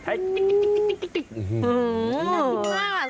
น้ำลายแจกรวดเลย